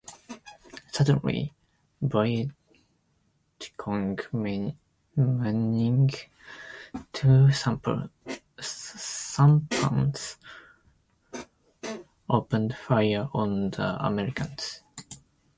Suddenly, Viet Cong manning two sampans opened fire on the Americans.